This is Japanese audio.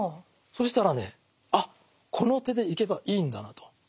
そしたらねあっこの手でいけばいいんだなと。